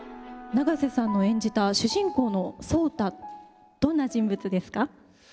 永瀬さんの演じた主人公の壮多どんな人物ですか？